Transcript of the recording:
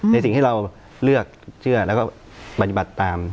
ในสิ่งที่เราเลือกเชื่อแล้วก็ปฏิบัติตาม